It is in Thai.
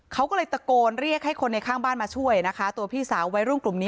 เขาก็เลยตะโกนเรียกให้คนในข้างบ้านมาช่วยนะคะตัวพี่สาววัยรุ่นกลุ่มนี้